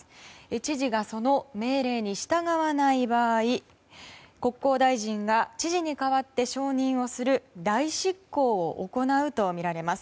知事がその命令に従わない場合国交大臣が知事に代わって承認をする代執行を行うとみられます。